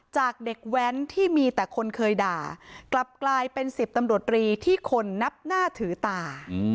จากเด็กแว้นที่มีแต่คนเคยด่ากลับกลายเป็น๑๐ตำรวจรีที่คนนับหน้าถือตา